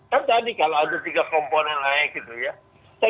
kan tadi kalau ada tiga komponen naik gitu ya